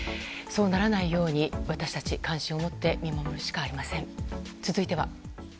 そうならないように私たちは関心を持って見守るしかありません。